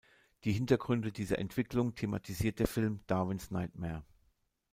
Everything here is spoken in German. Die Hintergründe dieser Entwicklung thematisiert der Film "Darwin’s Nightmare".